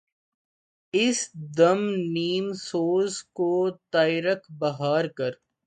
اس دم نیم سوز کو طائرک بہار کر